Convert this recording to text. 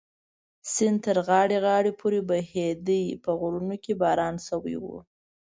سیند تر غاړې غاړې پورې بهېده، په غرونو کې باران شوی و.